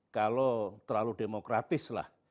kalau terlalu demokratislah